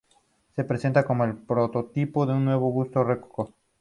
Se presenta como el prototipo del nuevo gusto rococó.